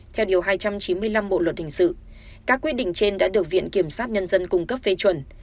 theo điều hai trăm chín mươi năm bộ luật hình sự các quyết định trên đã được viện kiểm sát nhân dân cung cấp phê chuẩn